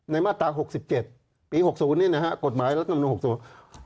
มาตราหกสิบเจ็ดปีหกศูนย์นี่นะฮะกฎหมายรัฐมนุนหกศูนย์